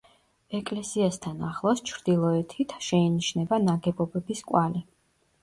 ეკლესიასთან ახლოს, ჩრდილოეთით, შეინიშნება ნაგებობების კვალი.